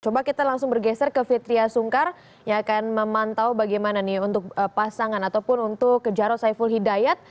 coba kita langsung bergeser ke fitriah sungkar yang akan memantau bagaimana nih untuk pasangan ataupun untuk jarod saiful hidayat